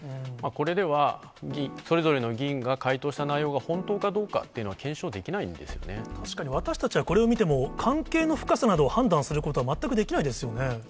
これでは、それぞれの議員が回答した内容が本当かどうかっていうのは、確かに、私たちはこれを見ても、関係の深さなどを判断することは全くできないですよね。